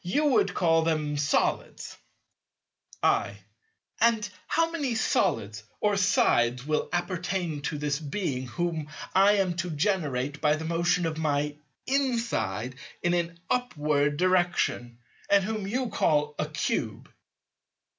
You would call them solids. I. And how many solids or sides will appertain to this Being whom I am to generate by the motion of my inside in an "upward" direction, and whom you call a Cube?